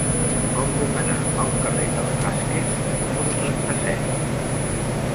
Com puc anar al carrer de Velázquez número trenta-set?